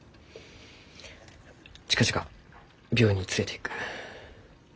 近々病院に連れていく。